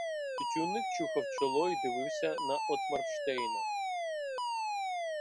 Тютюнник чухав чоло і дивився на Отмарштейна.